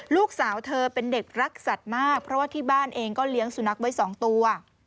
ลูกสาวเธอเป็นเด็กรักสัตว์มากเพราะว่าที่บ้านเองก็เลี้ยงสุนัขไว้๒ตัว